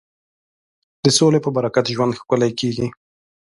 د سولې په برکت ژوند ښکلی کېږي.